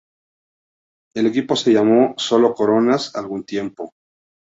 El equipo se llamó solo Coronas algún tiempo.